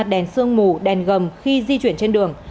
đèn sương mù đèn gầm khi di chuyển trên đường